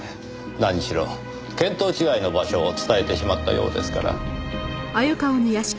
何しろ見当違いの場所を伝えてしまったようですから。